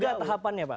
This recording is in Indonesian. dan juga tahapannya pak